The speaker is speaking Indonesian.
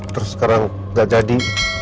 terus sekarang gak jadi